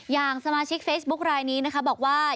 อย่างสมาชิกเฟซบุ๊คลายนี้นะคะบอกว่า